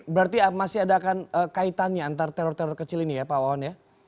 berarti masih ada akan kaitannya antara teror teror kecil ini ya pak wawan ya